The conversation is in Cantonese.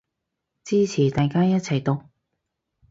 支持大家一齊毒